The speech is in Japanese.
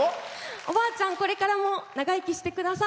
おばあちゃん、これからも長生きしてください！